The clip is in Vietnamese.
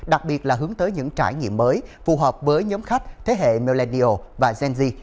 đặc biệt là hướng tới những trải nghiệm mới phù hợp với nhóm khách thế hệ meldio và gen